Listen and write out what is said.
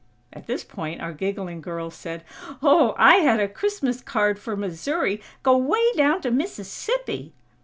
At this point our giggling girl said: "Ooooo! I had a Christmas card for Missouri go way down to Mississippi!"